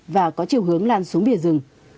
và có chiều hướng lan xuống bìa rừng